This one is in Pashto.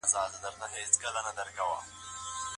کرکه زموږ د روغتیا ساتنې یوه وسیله ده.